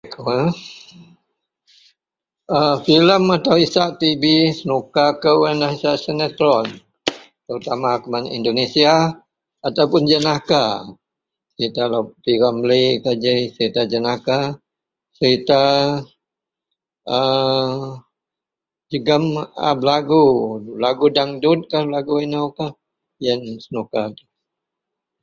. a filem atau isak tv senuka kou ienlah isak seneteron terutama kuman Indonesia ataupun jenaka serita lau p.ramlee itou ji serita jenaka, serita aa jegum a belagu, belagu dangdutkah belagu inoukah, ien senuka